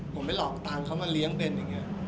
ผมไม่หลอกตามเขามาเลี้ยงเบนอย่างเงี้ย